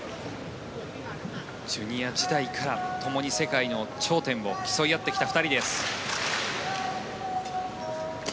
ジュニア時代からともに世界の頂点を競い合ってきた２人です。